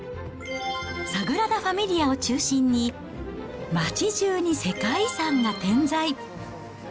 サグラダファミリアを中心に、街じゅうに世界遺産が点在。